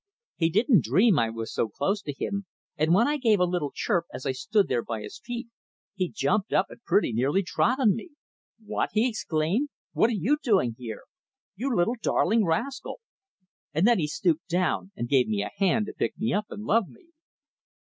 He didn't dream I was so close to him, and when I gave a little chirp as I stood there by his feet, he jumped up and pretty nearly trod on me. "What!" he exclaimed. "What are you doing here? You little, darling rascal!" And then he stooped down and gave me a hand to pick me up and love me.